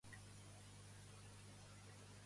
Qui va néixer de la unió d'Andròmaca i Neoptòlem?